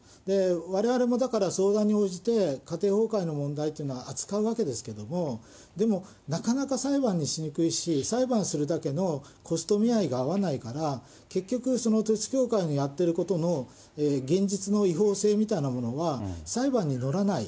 われわれもだから、相談に応じて、家庭崩壊の問題というのは扱うわけですけれども、でも、なかなか裁判にしにくいし、裁判するだけのコスト見合いが合わないから、結局統一教会のやってることの現実の違法性みたいなものは裁判に乗らない。